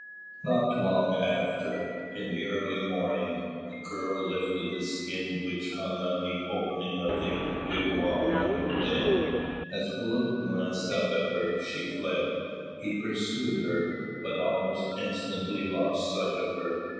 Not long after, in the early morning, a girl lifted the skin which hung at the opening of the wigwam and looked in. As Wālūt glanced up at her, she fled. He pursued her, but almost instantly lost sight of her.